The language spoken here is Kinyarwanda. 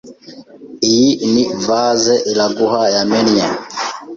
Iyi ni vase Iraguha yamennye.